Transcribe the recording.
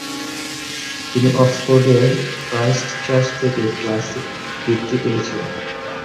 তিনি অক্সফোর্ডের Christ Church থেকে ক্লাসিক বৃত্তি পেয়েছেন।